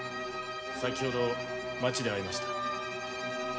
先程町で会いました。